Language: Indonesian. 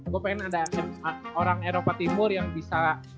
gue pengen ada orang eropa timur yang bisa